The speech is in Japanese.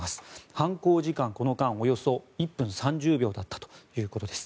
犯行時間この間およそ１分３０秒だったということです。